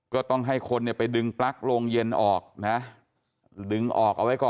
ก็ต้องให้คนเนี่ยไปดึงปลั๊กโรงเย็นออกนะดึงออกเอาไว้ก่อน